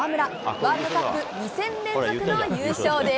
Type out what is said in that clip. ワールドカップ２戦連続の優勝です。